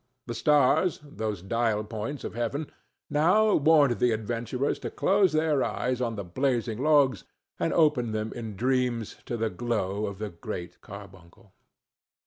The stars—those dial points of heaven—now warned the adventurers to close their eyes on the blazing logs and open them in dreams to the glow of the Great Carbuncle.